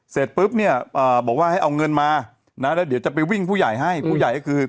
เสร็จปุ๊บเนี่ยบอกว่าให้เอาเงินมานะแล้วเดี๋ยวจะไปวิ่งผู้ใหญ่ให้ผู้ใหญ่ก็คือ